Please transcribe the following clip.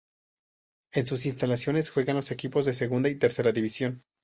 En sus instalaciones juegan los equipos de segunda y tercera división.